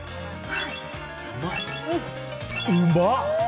うまっ！